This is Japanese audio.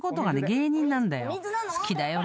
芸人なんだよ。